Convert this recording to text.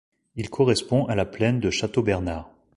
Il correspond à la plaine de Châteaubernard.